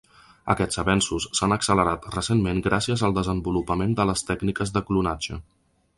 Aquests avenços s’han accelerat recentment gràcies al desenvolupament de les tècniques de clonatge.